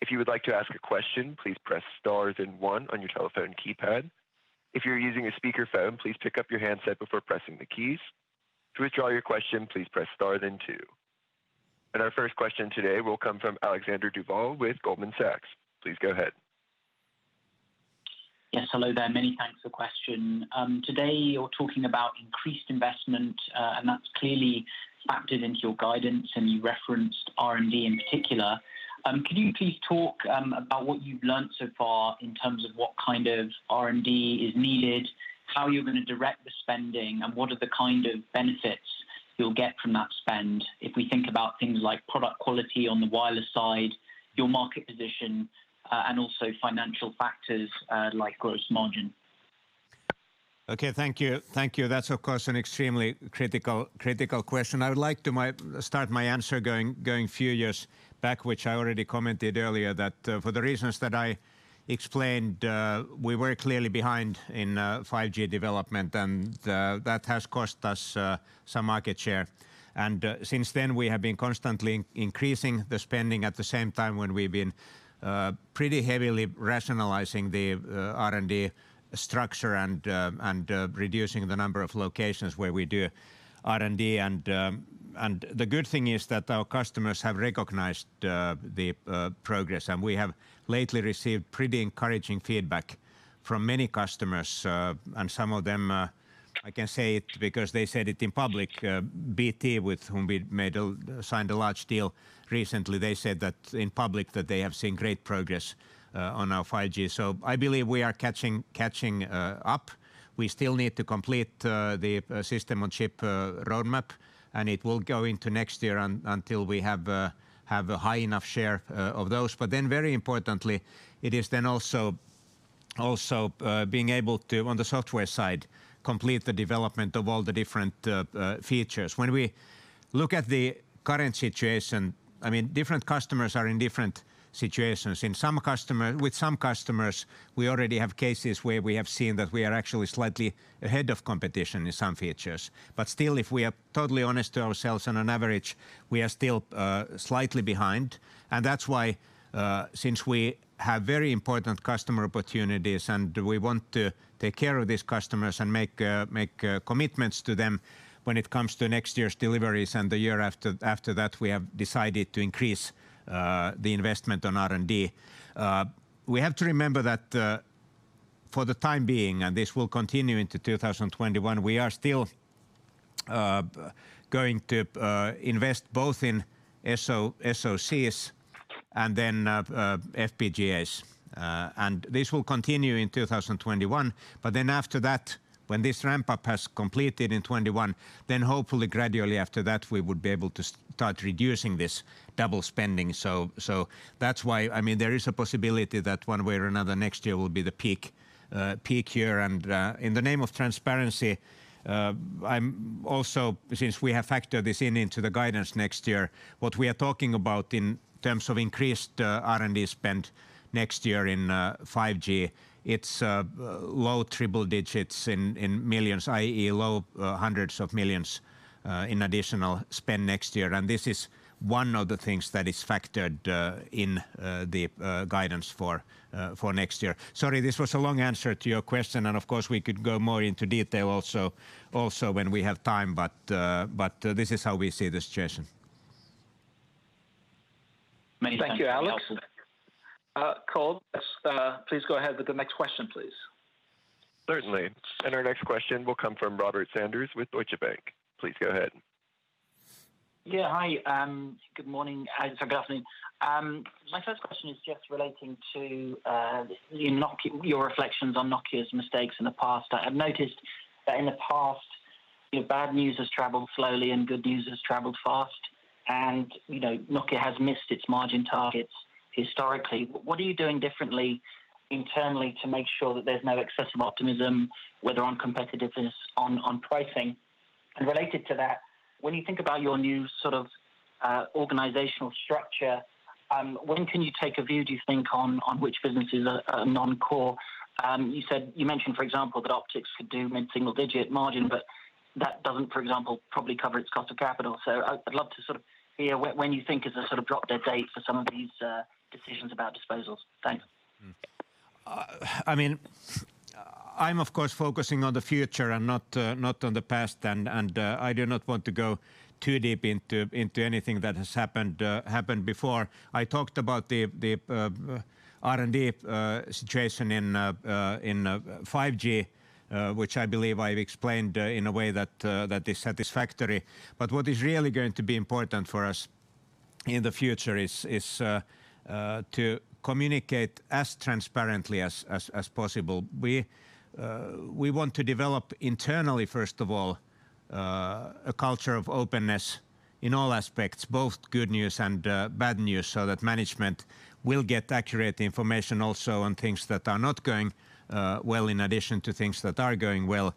If you would like to ask a question, please press star then one on your telephone keypad. If you're using a speakerphone, please pick up your handset before pressing the keys. To withdraw your question, please press star then two. Our first question today will come from Alexander Duval with Goldman Sachs. Please go ahead. Yes, hello there. Many thanks for question. Today, you're talking about increased investment, and that's clearly factored into your guidance, and you referenced R&D in particular. Can you please talk about what you've learned so far in terms of what kind of R&D is needed, how you're going to direct the spending, and what are the kind of benefits you'll get from that spend? If we think about things like product quality on the wireless side, your market position, and also financial factors like gross margin. Okay, thank you. That's of course, an extremely critical question. I would like to start my answer going a few years back, which I already commented earlier that, for the reasons that I explained, we were clearly behind in 5G development, and that has cost us some market share. Since then, we have been constantly increasing the spending at the same time when we've been pretty heavily rationalizing the R&D structure and reducing the number of locations where we do R&D. The good thing is that our customers have recognized the progress, and we have lately received pretty encouraging feedback from many customers. Some of them, I can say it because they said it in public, BT, with whom we signed a large deal recently, they said that in public that they have seen great progress on our 5G. I believe we are catching up. We still need to complete the system on chip roadmap. It will go into next year until we have a high enough share of those. Very importantly, it is then also being able to, on the software side, complete the development of all the different features. When we look at the current situation, different customers are in different situations. With some customers, we already have cases where we have seen that we are actually slightly ahead of competition in some features. Still, if we are totally honest to ourselves, on an average, we are still slightly behind. That's why, since we have very important customer opportunities and we want to take care of these customers and make commitments to them when it comes to next year's deliveries and the year after that, we have decided to increase the investment on R&D. We have to remember that for the time being, and this will continue into 2021, we are still going to invest both in SoCs and then FPGAs. This will continue in 2021, but then after that, when this ramp-up has completed in 2021, then hopefully gradually after that, we would be able to start reducing this double spending. That's why there is a possibility that one way or another, next year will be the peak year. In the name of transparency, since we have factored this in into the guidance next year, what we are talking about in terms of increased R&D spend next year in 5G, it's low triple digits in millions, i.e., EUR low hundreds of millions in additional spend next year. This is one of the things that is factored in the guidance for next year. Sorry, this was a long answer to your question. Of course, we could go more into detail also when we have time. This is how we see the situation. Many thanks. Thank you, Alex. Cole, please go ahead with the next question, please. Certainly. Our next question will come from Robert Sanders with Deutsche Bank. Please go ahead. Yeah, hi. Good morning. Sorry, good afternoon. My first question is just relating to your reflections on Nokia's mistakes in the past. I've noticed that in the past, your bad news has traveled slowly and good news has traveled fast. Nokia has missed its margin targets historically. What are you doing differently internally to make sure that there's no excessive optimism, whether on competitiveness, on pricing? Related to that, when you think about your new organizational structure, when can you take a view, do you think, on which businesses are non-core? You mentioned, for example, that Optical Networks could do mid-single digit margin, but that doesn't, for example, probably cover its cost of capital. I'd love to hear when you think is a sort of drop-dead date for some of these decisions about disposals. Thanks. I'm of course focusing on the future and not on the past, and I do not want to go too deep into anything that has happened before. I talked about the R&D situation in 5G, which I believe I've explained in a way that is satisfactory. What is really going to be important for us in the future is to communicate as transparently as possible. We want to develop internally, first of all a culture of openness in all aspects, both good news and bad news, so that management will get accurate information also on things that are not going well in addition to things that are going well.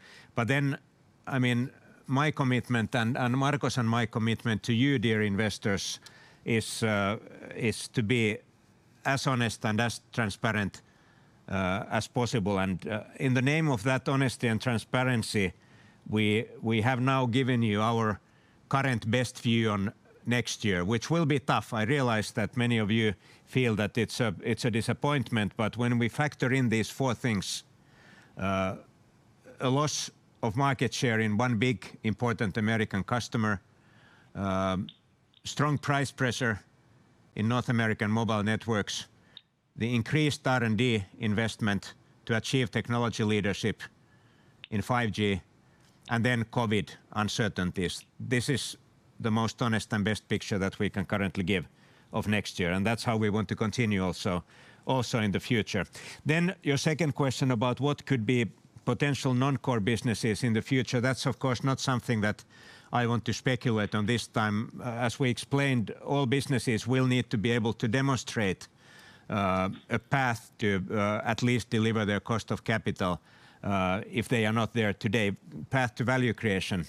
My commitment, and Marco's and my commitment to you, dear investors, is to be as honest and as transparent as possible. In the name of that honesty and transparency, we have now given you our current best view on next year, which will be tough. I realize that many of you feel that it's a disappointment, but when we factor in these four things, a loss of market share in one big important American customer, strong price pressure in North American mobile networks, the increased R&D investment to achieve technology leadership in 5G, and COVID uncertainties. This is the most honest and best picture that we can currently give of next year, and that's how we want to continue also in the future. Your second question about what could be potential non-core businesses in the future. That's, of course, not something that I want to speculate on this time. As we explained, all businesses will need to be able to demonstrate a path to at least deliver their cost of capital, if they are not there today, path to value creation.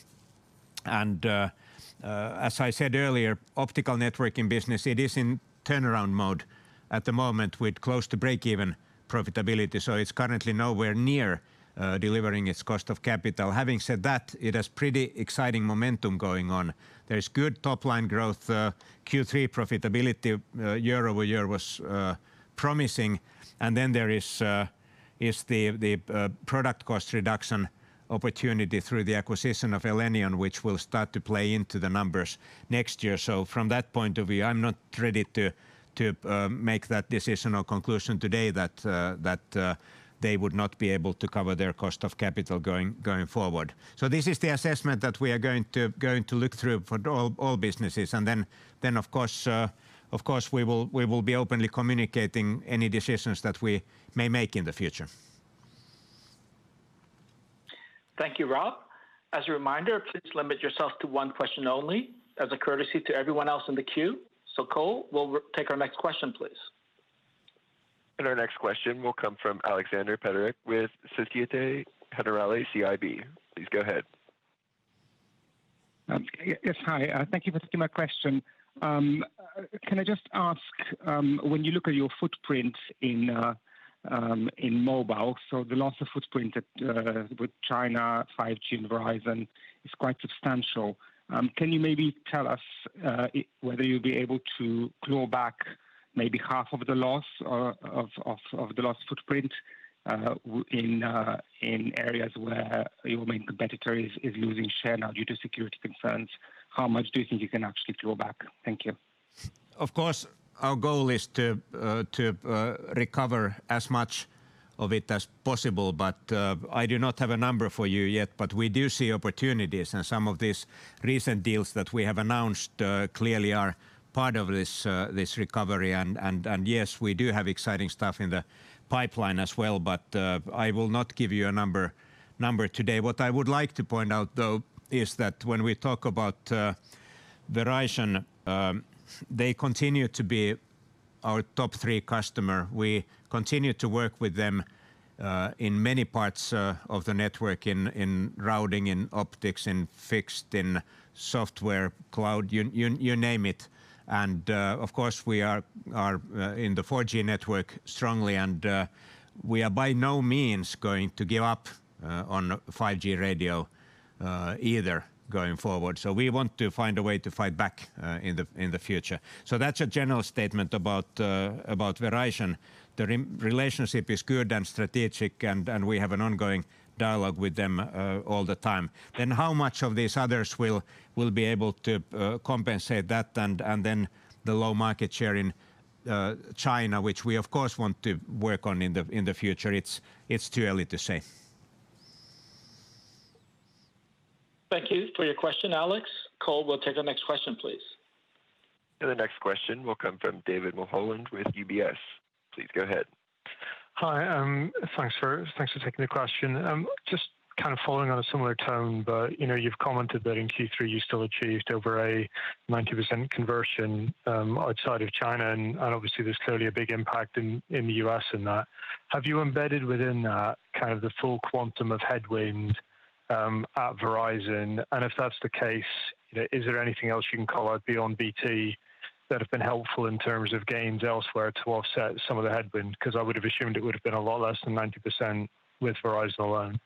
As I said earlier, optical networking business, it is in turnaround mode at the moment with close to break-even profitability. It's currently nowhere near delivering its cost of capital. Having said that, it has pretty exciting momentum going on. There is good top-line growth. Q3 profitability year-over-year was promising. There is the product cost reduction opportunity through the acquisition of Elenion, which will start to play into the numbers next year. From that point of view, I'm not ready to make that decision or conclusion today that they would not be able to cover their cost of capital going forward. This is the assessment that we are going to look through for all businesses. Of course, we will be openly communicating any decisions that we may make in the future. Thank you, Rob. As a reminder, please limit yourself to one question only as a courtesy to everyone else in the queue. Cole, we'll take our next question, please. Our next question will come from Alexander Peterc with Société Générale CIB. Please go ahead. Yes. Hi. Thank you for taking my question. Can I just ask, when you look at your footprint in mobile, the loss of footprint with China, 5G, and Verizon is quite substantial. Can you maybe tell us whether you'll be able to claw back maybe half of the loss of the lost footprint in areas where your main competitor is losing share now due to security concerns? How much do you think you can actually claw back? Thank you. Of course, our goal is to recover as much of it as possible, but I do not have a number for you yet. We do see opportunities, and some of these recent deals that we have announced clearly are part of this recovery. Yes, we do have exciting stuff in the pipeline as well. I will not give you a number today. What I would like to point out, though, is that when we talk about Verizon, they continue to be our top three customer. We continue to work with them in many parts of the network, in routing, in optics, in fixed, in software, cloud, you name it. Of course we are in the 4G network strongly, and we are by no means going to give up on 5G radio either going forward. We want to find a way to fight back in the future. That's a general statement about Verizon. The relationship is good and strategic, and we have an ongoing dialogue with them all the time. How much of these others will be able to compensate that and then the low market share in China, which we of course want to work on in the future, it's too early to say. Thank you for your question, Alex. Cole, we'll take our next question, please. The next question will come from David Mulholland with UBS. Please go ahead. Hi. Thanks for taking the question. Just kind of following on a similar tone, you've commented that in Q3, you still achieved over a 90% conversion outside of China, and obviously there's clearly a big impact in the U.S. in that. Have you embedded within that the full quantum of headwind at Verizon? If that's the case, is there anything else you can call out beyond BT that have been helpful in terms of gains elsewhere to offset some of the headwind? I would've assumed it would've been a lot less than 90% with Verizon alone.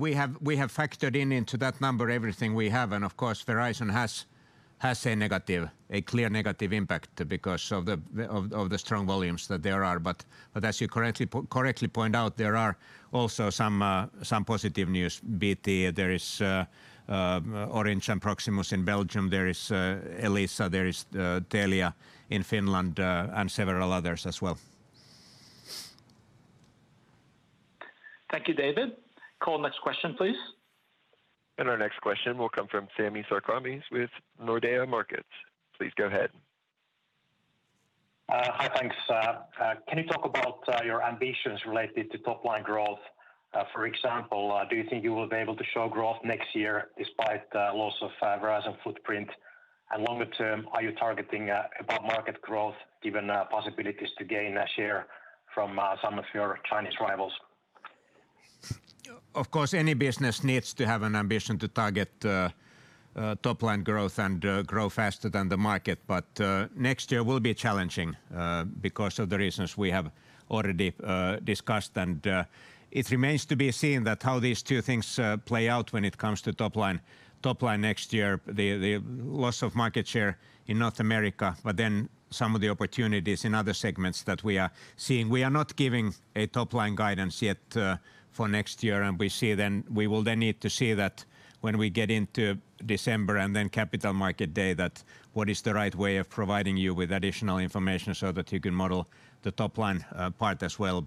We have factored in into that number everything we have. Of course, Verizon has a clear negative impact because of the strong volumes that there are. As you correctly point out, there are also some positive news. BT, there is Orange and Proximus in Belgium. There is Elisa, there is Telia in Finland, and several others as well. Thank you, David. Cole, next question, please. Our next question will come from Sami Sarkamies with Nordea Markets. Please go ahead. Thanks. Can you talk about your ambitions related to top-line growth? For example, do you think you will be able to show growth next year despite the loss of Verizon footprint? Longer term, are you targeting above-market growth, given possibilities to gain a share from some of your Chinese rivals? Of course, any business needs to have an ambition to target top-line growth and grow faster than the market. Next year will be challenging because of the reasons we have already discussed. It remains to be seen how these two things play out when it comes to top-line next year, the loss of market share in North America, but then some of the opportunities in other segments that we are seeing. We are not giving a top-line guidance yet for next year, and we will then need to see that when we get into December and then Capital Markets Day, what is the right way of providing you with additional information so that you can model the top-line part as well.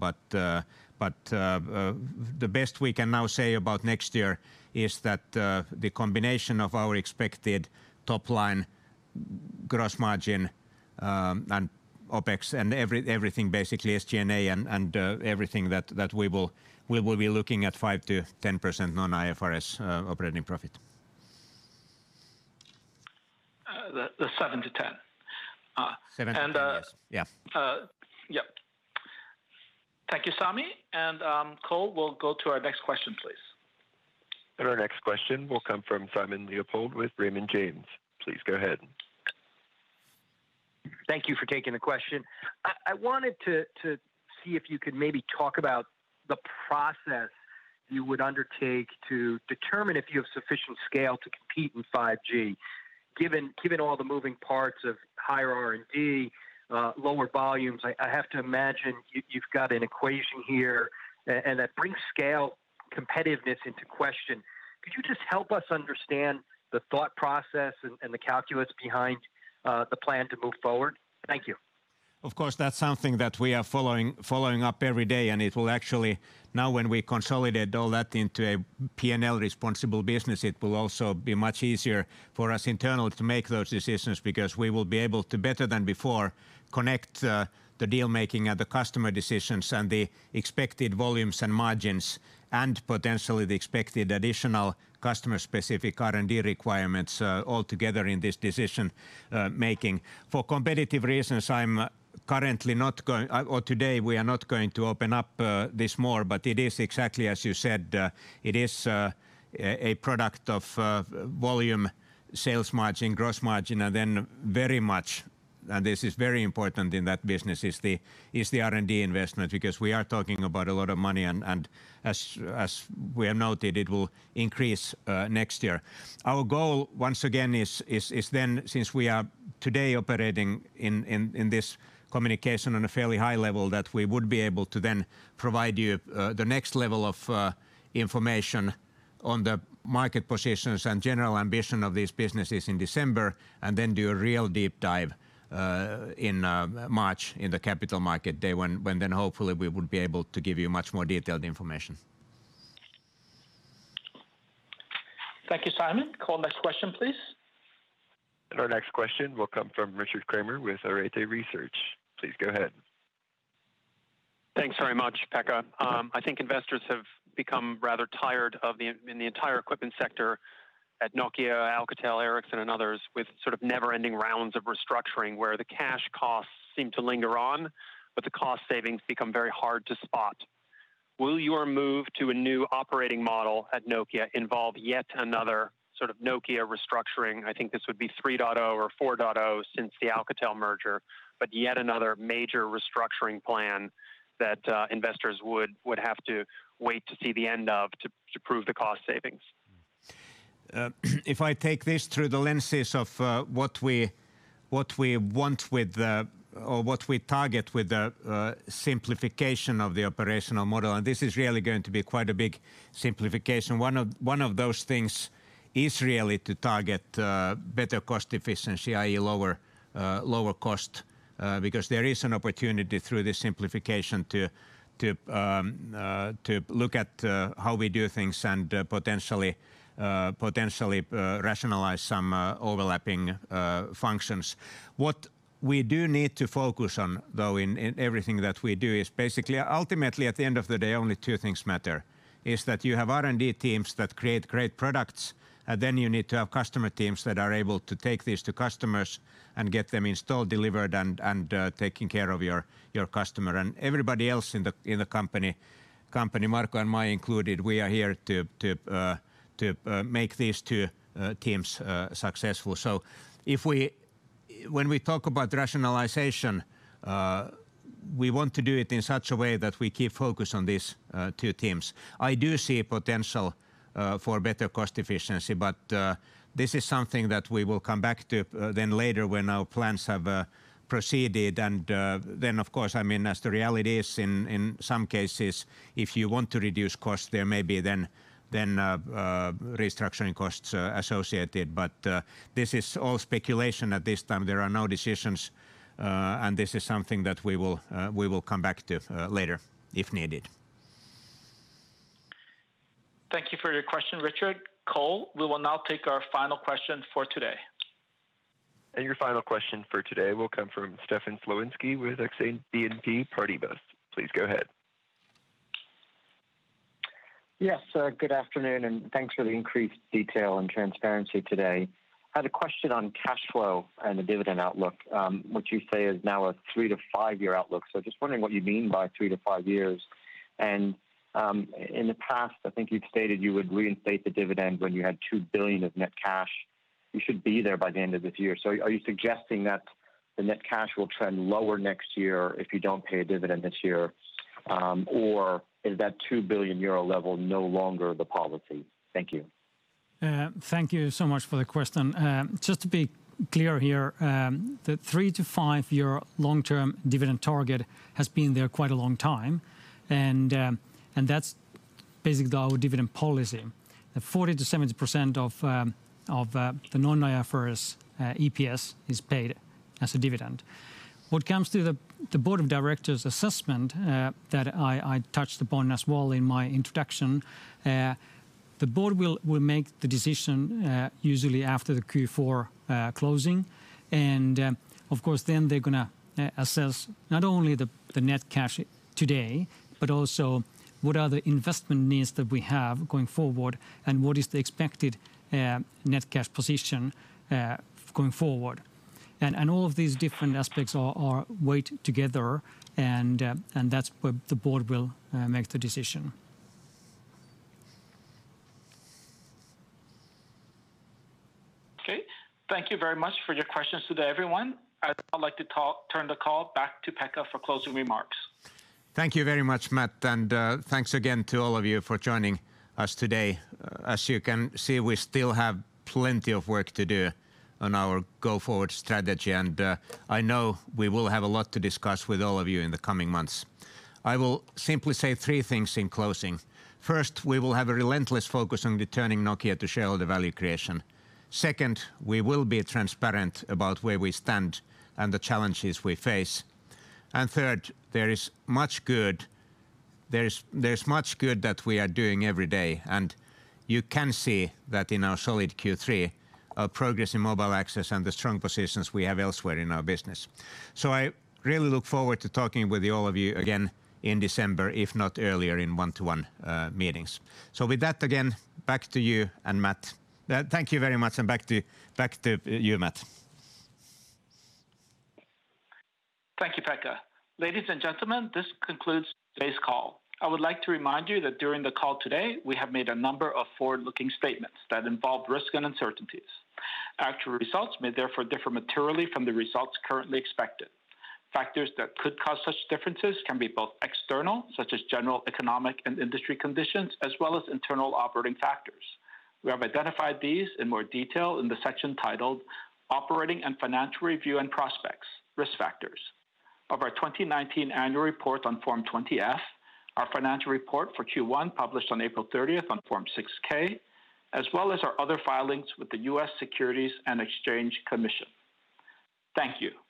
The best we can now say about next year is that the combination of our expected top-line gross margin, and OPEX, and everything basically, SG&A and everything that we will be looking at 5%-10% non-IFRS operating profit. The 7%-10%? The 7%-10%, yes. Yeah. Yeah. Thank you, Sami. Cole, we'll go to our next question, please. Our next question will come from Simon Leopold with Raymond James. Please go ahead. Thank you for taking the question. I wanted to see if you could maybe talk about the process you would undertake to determine if you have sufficient scale to compete in 5G. Given all the moving parts of higher R&D, lower volumes, I have to imagine you've got an equation here, and that brings scale competitiveness into question. Could you just help us understand the thought process and the calculus behind the plan to move forward? Thank you. Of course, that's something that we are following up every day, and now when we consolidate all that into a P&L responsible business, it will also be much easier for us internally to make those decisions because we will be able to, better than before, connect the deal-making and the customer decisions and the expected volumes and margins, and potentially the expected additional customer-specific R&D requirements all together in this decision-making. For competitive reasons, today we are not going to open up this more, but it is exactly as you said. It is a product of volume, sales margin, gross margin, and then very much, and this is very important in that business, is the R&D investment, because we are talking about a lot of money, and as we have noted, it will increase next year. Our goal, once again, is since we are today operating in this communication on a fairly high level, that we would be able to then provide you the next level of information on the market positions and general ambition of these businesses in December, and then do a real deep dive in March in the Capital Market Day, when then hopefully we would be able to give you much more detailed information. Thank you, Simon. Cole, next question, please. Our next question will come from Richard Kramer with Arete Research. Please go ahead. Thanks very much, Pekka. I think investors have become rather tired in the entire equipment sector at Nokia, Alcatel, Ericsson and others with never-ending rounds of restructuring where the cash costs seem to linger on, but the cost savings become very hard to spot. Will your move to a new operating model at Nokia involve yet another Nokia restructuring? I think this would be 3.0 or 4.0 since the Alcatel merger, yet another major restructuring plan that investors would have to wait to see the end of to prove the cost savings. If I take this through the lenses of what we want with or what we target with the simplification of the operational model, and this is really going to be quite a big simplification. One of those things is really to target better cost efficiency, i.e. lower cost, because there is an opportunity through this simplification to look at how we do things and potentially rationalize some overlapping functions. What we do need to focus on, though, in everything that we do is basically, ultimately at the end of the day, only two things matter. It's that you have R&D teams that create great products, and then you need to have customer teams that are able to take these to customers and get them installed, delivered, and taking care of your customer. Everybody else in the company, Marco and I included, we are here to make these two teams successful. When we talk about rationalization, we want to do it in such a way that we keep focus on these two teams. I do see potential for better cost efficiency, this is something that we will come back to then later when our plans have proceeded. Then, of course, as the reality is in some cases, if you want to reduce costs, there may be then restructuring costs associated. This is all speculation at this time. There are no decisions, this is something that we will come back to later if needed. Thank you for your question, Richard. Cole, we will now take our final question for today. Your final question for today will come from Stefan Slowinski with Exane BNP Paribas. Please go ahead. Yes, good afternoon. Thanks for the increased detail and transparency today. I had a question on cash flow and the dividend outlook, which you say is now a three to five year outlook. Just wondering what you mean by three to five years. In the past, I think you'd stated you would reinstate the dividend when you had 2 billion of net cash. You should be there by the end of this year. Are you suggesting that the net cash will trend lower next year if you don't pay a dividend this year? Is that 2 billion euro level no longer the policy? Thank you. Thank you so much for the question. Just to be clear here, the three-to-five-year long-term dividend target has been there quite a long time. That's basically our dividend policy, that 40%-70% of the non-IFRS EPS is paid as a dividend. What comes to the board of directors' assessment that I touched upon as well in my introduction, the board will make the decision usually after the Q4 closing. Of course, then they're going to assess not only the net cash today, but also what are the investment needs that we have going forward, and what is the expected net cash position going forward. All of these different aspects are weighed together, and that's where the board will make the decision. Thank you very much for your questions today, everyone. I'd now like to turn the call back to Pekka for closing remarks. Thank you very much, Matt, and thanks again to all of you for joining us today. As you can see, we still have plenty of work to do on our go-forward strategy, and I know we will have a lot to discuss with all of you in the coming months. I will simply say three things in closing. First, we will have a relentless focus on returning Nokia to shareholder value creation. Second, we will be transparent about where we stand and the challenges we face. Third, there is much good that we are doing every day. You can see that in our solid Q3, our progress in Mobile Access, and the strong positions we have elsewhere in our business. I really look forward to talking with all of you again in December, if not earlier in one-to-one meetings. With that, again, back to you and Matt. Thank you very much, and back to you, Matt. Thank you, Pekka. Ladies and gentlemen, this concludes today's call. I would like to remind you that during the call today, we have made a number of forward-looking statements that involve risks and uncertainties. Actual results may therefore differ materially from the results currently expected. Factors that could cause such differences can be both external, such as general economic and industry conditions, as well as internal operating factors. We have identified these in more detail in the section titled "Operating and Financial Review and Prospects - Risk Factors" of our 2019 annual report on Form 20-F, our financial report for Q1, published on April 30th on Form 6-K, as well as our other filings with the U.S. Securities and Exchange Commission. Thank you.